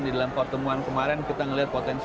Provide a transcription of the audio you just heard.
di dalam pertemuan kemarin kita melihat potensi